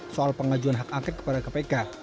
soal pengajuan hak angket kepada kpk